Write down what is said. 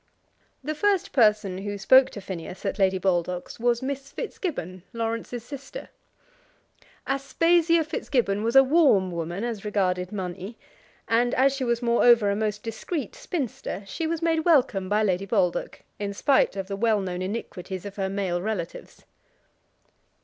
The first person who spoke to Phineas at Lady Baldock's was Miss Fitzgibbon, Laurence's sister. Aspasia Fitzgibbon was a warm woman as regarded money, and as she was moreover a most discreet spinster, she was made welcome by Lady Baldock, in spite of the well known iniquities of her male relatives.